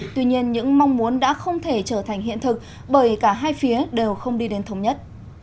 tuy nhiên những mong muốn đã không thể trở thành hiện thực bởi cả hai phía đều không đi đến thống nhất